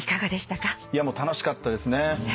楽しかったですね。